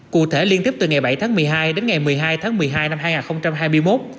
cụ thể liên tiếp từ ngày bảy tháng một mươi hai đến ngày một mươi hai tháng một mươi hai năm hai nghìn hai mươi một